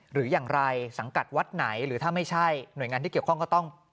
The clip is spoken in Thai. หรืออย่างไรสังกัดวัดไหนหรือถ้าไม่ใช่หน่วยงานที่เกี่ยวข้องก็ต้อง